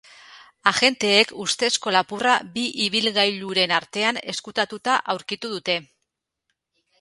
Agenteek ustezko lapurra bi ibilgailuren artean ezkutatuta aurkitu dute.